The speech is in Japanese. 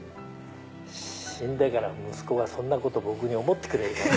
死んでから息子がそんなこと僕に思ってくれるかな？